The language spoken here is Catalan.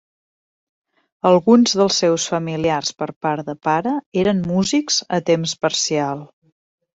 Alguns dels seus familiars per part de pare eren músics a temps parcial.